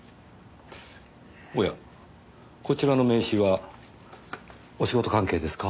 おやこちらの名刺はお仕事関係ですか？